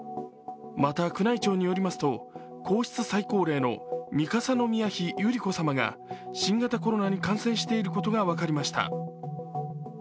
また、宮内庁によりますと皇室最高齢の三笠宮妃百合子さまも新型コロナ感染していることが分かりました。